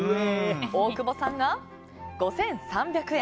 大久保さんが５３００円。